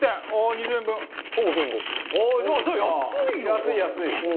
安い安い。